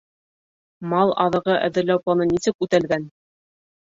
Мал аҙығы әҙерләү планы нисек үтәлгән?